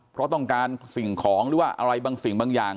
เพราะต้องการสิ่งของหรือว่าอะไรบางสิ่งบางอย่าง